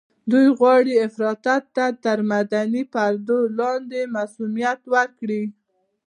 دوی غواړي افراطيت ته تر مدني پردو لاندې مصؤنيت ورکړي.